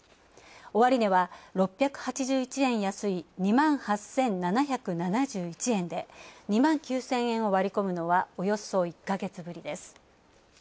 終値は６８１円安い２万８７７１円で２万９０００円を割り込むのはおよそ１か月ぶりです。